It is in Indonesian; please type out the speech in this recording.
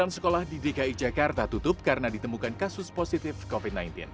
sembilan sekolah di dki jakarta tutup karena ditemukan kasus positif covid sembilan belas